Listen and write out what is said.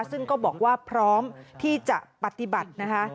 ซึ่งก็บอกว่าพร้อมที่จะปฏิบัตินะคะ